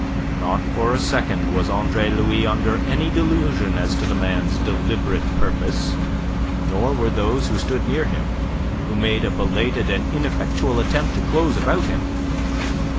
Not for a second was Andre Louis under any delusion as to the man's deliberate purpose, nor were those who stood near him, who made a belated and ineffectual attempt to close about him.